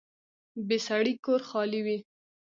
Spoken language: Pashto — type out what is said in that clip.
بې سړي کور خالي وي